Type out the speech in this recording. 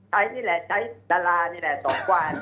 นี่แหละใช้ดารานี่แหละ๒วัน